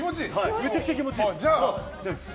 めちゃくちゃ気持ちいいです。